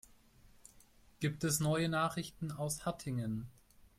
Gibt es neue Nachrichten aus Hattingen?